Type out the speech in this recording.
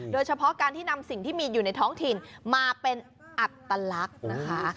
โดยเฉพาะการที่นำสิ่งที่มีอยู่ในท้องถิ่นมาเป็นอัตลักษณ์นะคะ